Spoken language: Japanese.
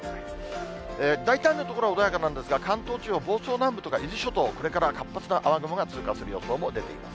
大体の所は穏やかなんですが、関東地方、房総南部とか、伊豆諸島、これから活発な雨雲が通過する予想も出ています。